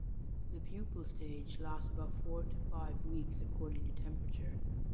The pupal stage lasts about four to five weeks according to temperature.